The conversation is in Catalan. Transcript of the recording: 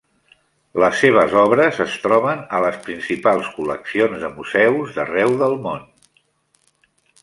Les seves obres es troben a les principals col·leccions de museus d'arreu del món.